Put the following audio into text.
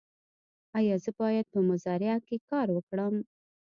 ایا زه باید په مزرعه کې کار وکړم؟